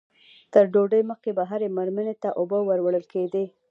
تر ډوډۍ مخکې به هرې مېرمنې ته اوبه ور وړل کېدې.